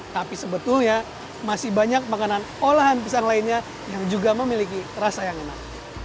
tapi sebetulnya masih banyak makanan olahan pisang lainnya yang juga memiliki rasa yang enak